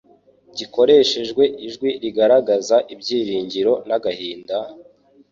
Gikoresheje ijwi rigaragaza ibyiringiro n'agahinda,